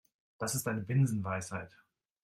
Das ist eine Binsenweisheit.